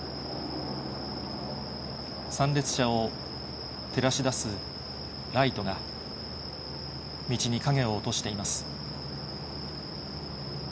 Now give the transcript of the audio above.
参列者を照らし出すライトが、道に影を落としています。